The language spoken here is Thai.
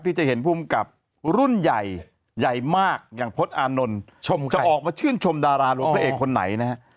จะเห็นภูมิกับรุ่นใหญ่ใหญ่มากอย่างพจน์อานนท์จะออกมาชื่นชมดาราหลวงพระเอกคนไหนนะฮะ